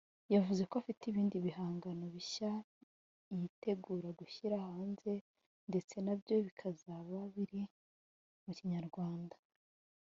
yavuze ko afite ibindi bihangano bishya yitegura gushyira hanze ndetse nabyo bikazaba biri mu Kinyarwanda